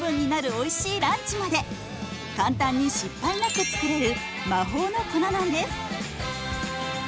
おいしいランチまで簡単に失敗なく作れる魔法の粉なんです。